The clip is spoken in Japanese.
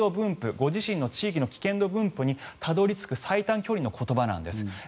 ご自身の地域の危険度分布にたどり着く最短距離の言葉なんです。